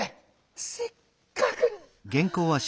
せっかく。